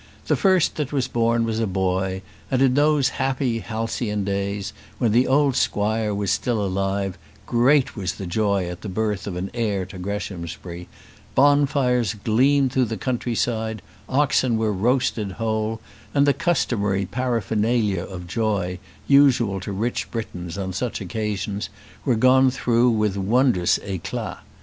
The first that was born was a boy; and in those happy halcyon days, when the old squire was still alive, great was the joy at the birth of an heir to Greshamsbury; bonfires gleamed through the country side, oxen were roasted whole, and the customary paraphernalia of joy, usual to rich Britons on such occasions were gone through with wondrous éclat.